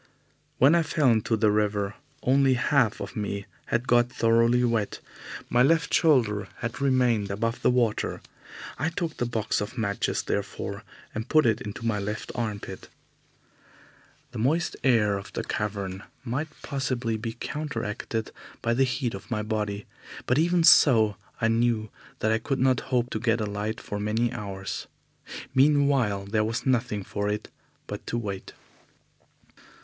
When I fell into the river, only half of me had got thoroughly wet. My left shoulder had remained above the water. I took the box of matches, therefore, and put it into my left armpit. The moist air of the cavern might possibly be counteracted by the heat of my body, but even so, I knew that I could not hope to get a light for many hours. Meanwhile there was nothing for it but to wait.